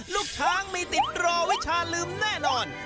ลูกช้างมีติดรอวิชาลืมแน่นอน